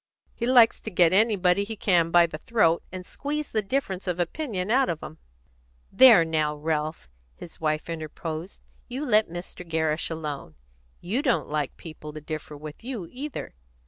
He likes to get anybody he can by the throat, and squeeze the difference of opinion out of 'em." "There, now, Ralph," his wife interposed, "you let Mr. Gerrish alone. You don't like people to differ with you, either.